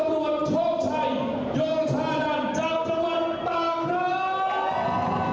โยงชาดันจากจังหวันต่างนั้น